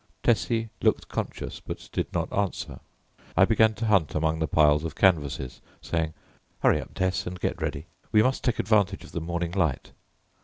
Tessie looked conscious, but did not answer. I began to hunt among the piles of canvases, saying, "Hurry up, Tess, and get ready; we must take advantage of the morning light."